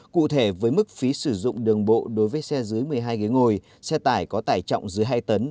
cụ thể với mức phí sử dụng đường bộ đối với xe dưới một mươi hai ghế ngồi xe tải có tải trọng dưới hai tấn